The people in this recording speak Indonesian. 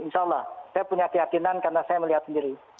insyaallah saya punya keyakinan karena saya melihat sendiri